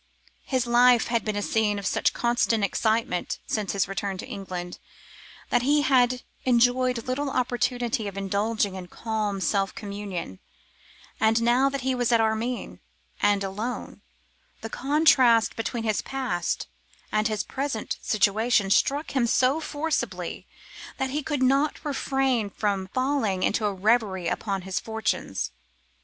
His life had been a scene of such constant excitement since his return to England, that he had enjoyed little opportunity of indulging in calm self communion; and now that he was at Armine, and alone, the contrast between his past and his present situation struck him so forcibly that he could not refrain from falling into a reverie upon his fortunes.